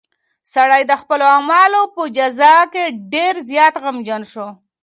سړی د خپلو اعمالو په جزا کې ډېر زیات غمجن شو.